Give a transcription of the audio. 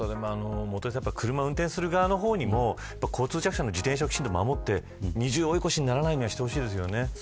車を運転する側にも交通弱者の自転車を守って二重追い越しにはならないでほしいですね。